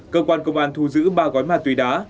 cơ quan công an thu giữ ba gói ma túy đá